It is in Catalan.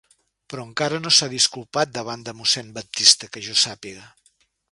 Però encara no s'ha disculpat davant de mossèn Baptista, que jo sàpiga.